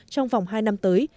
trong vòng hai năm tới